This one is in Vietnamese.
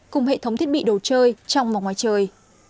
cùng hệ thống thiết bị đồ chơi trong và ngoài trời